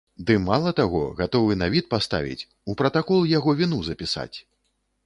Ды, мала таго, гатовы на від паставіць, у пратакол яго віну запісаць.